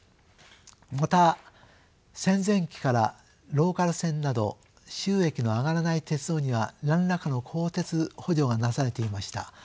また戦前期からローカル線など収益の上がらない鉄道には何らかの公的補助がなされていました。